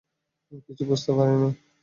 কিছুই বুঝতে পারিনি।